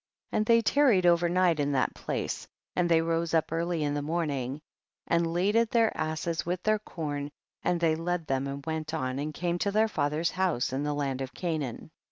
And they tarried over night in that place, and they rose up early in the morning and laded their asses with their corn, and they led them and went on and came to their father's house in the land of Canaan.